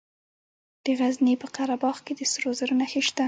د غزني په قره باغ کې د سرو زرو نښې شته.